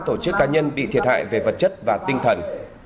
tổ chức cá nhân bị thiệt hại về vật chất và tinh thần